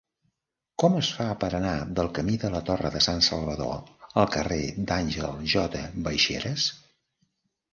Com es fa per anar del camí de la Torre de Sansalvador al carrer d'Àngel J. Baixeras?